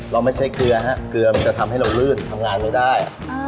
เราไม่ใช่เกลือฮะเกลือมันจะทำให้เราลื่นทำงานไม่ได้